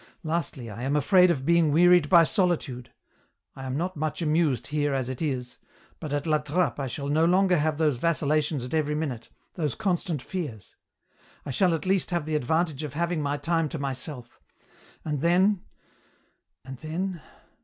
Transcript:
Lastly, I am afraid of being wearied by solitude ; I am not much amused here as it is, but at La Trappe I shall no longer have those vacillations at every minute, those constant fears ; I shall at least have the advantage of having my time to myself ; and then ... and then